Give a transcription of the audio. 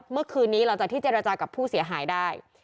เมื่อคืนนี้หลังจากที่เจรจากับผู้เสียหายได้